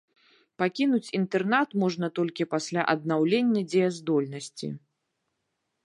Пакінуць інтэрнат можна толькі пасля аднаўлення дзеяздольнасці.